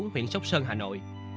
huyện sóc sơn hà nội